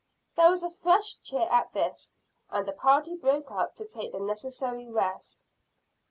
There was a fresh cheer at this, and the party broke up to take the necessary rest.